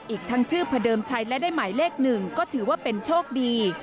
อีกทั้งชื่อพระเดิมชัยและได้หมายเลขหนึ่งก็ถือว่าเป็นโชคดี